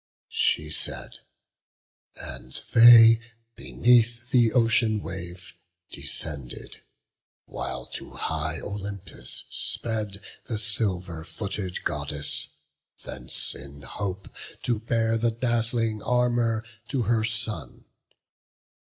She said; and they beneath the ocean wave Descended, while to high Olympus sped The silver footed Goddess, thence in hope To bear the dazzling armour to her son.